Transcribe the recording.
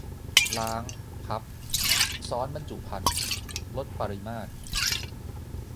- ล้าง พับ ซ้อนบรรจุภัณฑ์ ลดปริมาตร